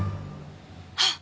あっ！